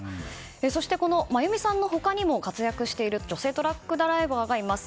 そして、真弓さんの他にも活躍している女性トラックドライバーがいます。